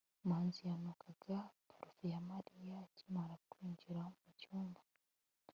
manzi yunukaga parufe ya mariya akimara kwinjira mucyumba